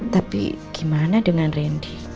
tapi gimana dengan ren dih